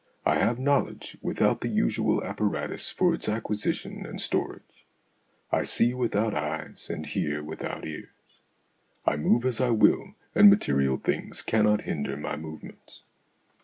I have knowledge without the usual apparatus for its acquisition and storage. I see without eyes, and hear without ears. I move as I will, and material things cannot hinder my movements.